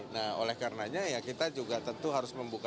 nah oleh karenanya kita juga tentu harus memperbaiki